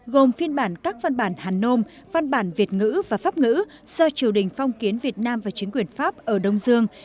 gồm phiên bản các văn bản hàn nôm văn bản việt ngữ và pháp ngữ do triều đình phong kiến việt nam và chính quyền pháp ở đông dương